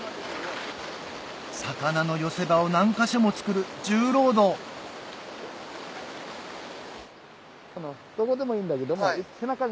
魚の寄せ場を何か所も作る重労働どこでもいいんだけども。